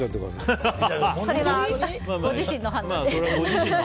それはご自身の判断で。